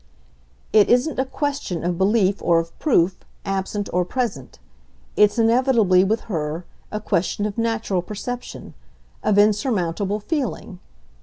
"It isn't a question of belief or of proof, absent or present; it's inevitably, with her, a question of natural perception, of insurmountable feeling.